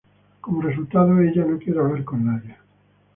Como resultado, ella no quiere hablar con nadie.